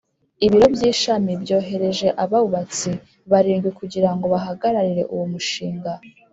Ibiro by’ ishami byohereje abubatsi barindwi kugira ngo bahagararire uwo mushinga